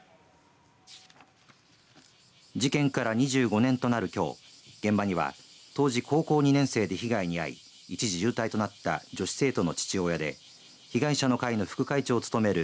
事件から２５年となるきょう現場には当時高校２年生で被害に遭い一時重体となった女子生徒の父親で被害者の会の副会長を務める